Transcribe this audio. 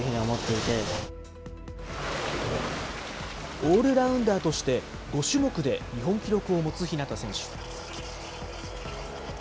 オールラウンダーとして５種目で日本記録を持つ日向選手。